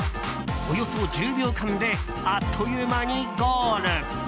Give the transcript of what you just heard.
およそ１０秒間であっという間にゴール。